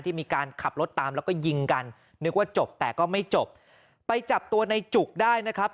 มีการขับรถตามแล้วก็ยิงกันนึกว่าจบแต่ก็ไม่จบไปจับตัวในจุกได้นะครับ